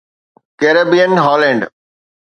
Caribbean Holland